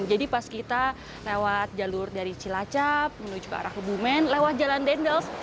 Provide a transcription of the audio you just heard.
jadi pas kita lewat jalur dari cilacap menuju ke arah kebumen lewat jalan dendels